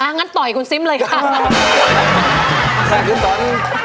งั้นต่อยคุณซิมเลยค่ะ